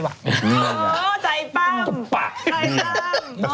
เออใจปั้ม